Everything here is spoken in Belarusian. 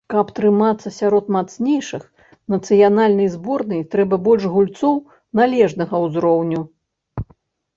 Каб трымацца сярод мацнейшых, нацыянальнай зборнай трэба больш гульцоў належнага ўзроўню.